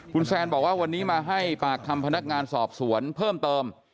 คุณแซนบอกว่าวันนี้มาให้ปากคำพนักงานสอบสวนเพิ่มเติม